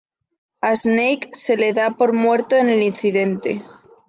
A Snake se le da por muerto en el incidente.